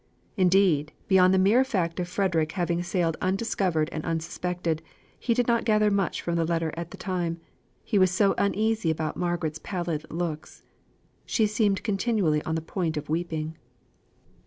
Indeed, beyond the mere fact of Frederick having sailed undiscovered and unsuspected, he did not gather much from the letter at the time, he was so uneasy about Margaret's pallid looks. She seemed continually on the point of weeping.